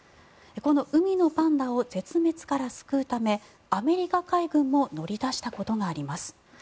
この海のパンダを絶滅から救うためアメリカ海軍も乗り出したことがあります。